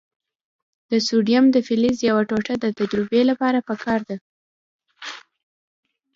د سوډیم د فلز یوه ټوټه د تجربې لپاره پکار ده.